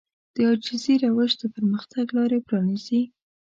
د عاجزي روش د پرمختګ لارې پرانيزي.